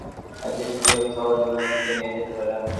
আত্মবিশ্বাস একজন মানুষকে একটি সুখী এবং সফল জীবনের দিকে নিয়ে যেতে পারে।